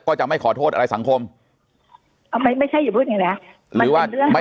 ก็จะไม่ขอโทษอะไรสังคมเอาไม่ใช่อย่าพูดอย่างงี้นะหรือว่าเรื่องไม่